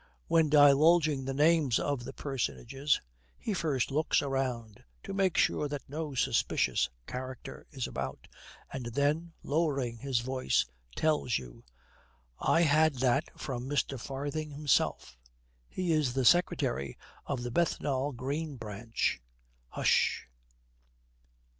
When divulging the names of the personages, he first looks around to make sure that no suspicious character is about, and then, lowering his voice, tells you, 'I had that from Mr. Farthing himself he is the secretary of the Bethnal Green Branch, h'sh!'